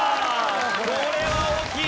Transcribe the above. これは大きい。